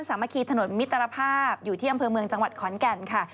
สามัคคีถนนมิตรภาพอยู่ที่อำเภอเมืองจังหวัดขอนแก่นค่ะ